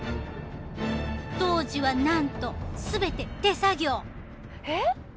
当時はなんと全て手作業。え！